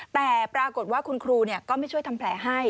แต่ปรากฏว่าคุณครูก็ไม่ช่วยทำแผลให้